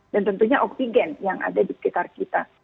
dan tentunya oktigen yang ada di sekitar kita